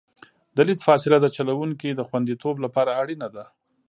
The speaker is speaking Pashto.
د لید فاصله د چلوونکي د خوندیتوب لپاره اړینه ده